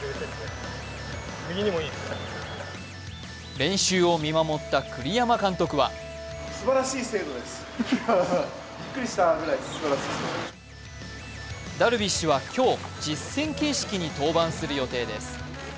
練習を見守った栗山監督はダルビッシュは今日、実戦形式に登板する予定です。